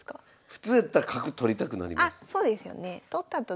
普通やったら角取りたくなります。